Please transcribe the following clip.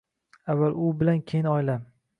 Avval u bilan keyin oilam